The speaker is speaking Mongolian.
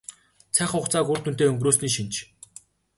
Цаг хугацааг үр дүнтэй өнгөрөөсний шинж.